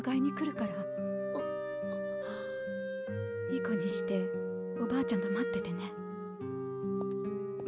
いい子にしておばあちゃんと待っててね。